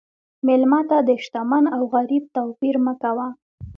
مېلمه ته د شتمن او غریب توپیر مه کوه.